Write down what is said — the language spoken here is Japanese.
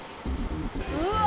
うわ！